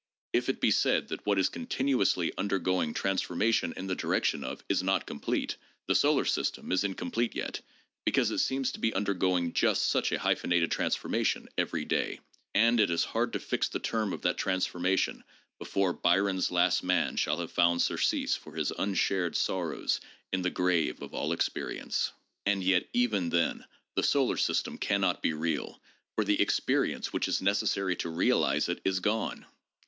If it be said that what is continuously undergoing transformation in the direction of is not complete, the solar system is incomplete yet, because it seems to be undergoing just such a hyphenated transformation every day, and it is hard to fix the term of that transformation before Byron's Last Man shall have found surcease for his unshared sorrows in the grave of all experience. And yet even then the solar system cannot be real, for the experience which is necessary to realize it is gone.